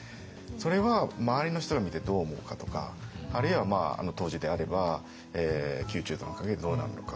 それは周りの人が見てどう思うかとかあるいはあの当時であれば宮中との関係でどうなるのか。